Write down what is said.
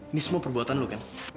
ini semua perbuatan lu kan